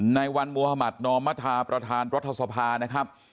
ในวันมุธมัธนอมธาประธานรัฐสภานะครับ